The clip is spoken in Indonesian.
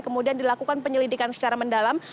kemudian dilakukan penyelidikan secara mendalam